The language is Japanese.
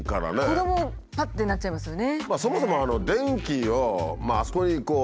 子どもぱってなっちゃいますよね。